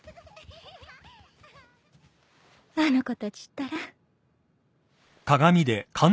あの子たちったら。